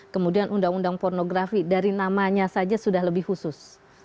kemudian undang undang pornografi dari namanya saja sudah lebih khusus